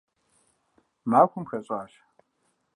Махуэм хэщӏащ.